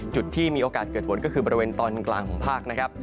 ที่มีโอกาสเกิดฝนก็คือบริเวณตอนกลางของภาคนะครับ